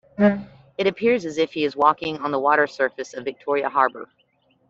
It appears as if he is walking on the water surface of Victoria Harbour.